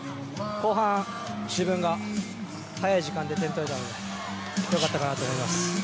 後半、自分が早い時間で点を取れたのでよかったかなと思います。